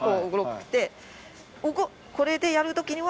これでやる時には。